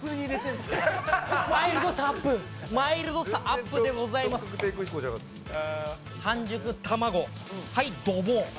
次、マイルドさアップでございます半熟卵、はいドボン。